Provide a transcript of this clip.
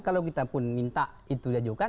kalau kita pun minta itu diajukan